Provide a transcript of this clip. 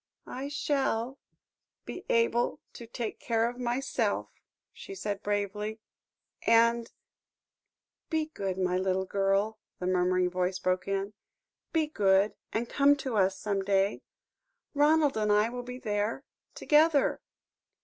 "I shall be able to take care of myself," she said bravely, "and " "Be good, my little girl," the murmuring voice broke in, "be good and come to us some day Ronald and I will be there together.